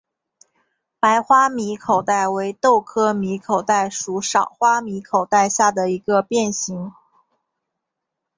白花米口袋为豆科米口袋属少花米口袋下的一个变型。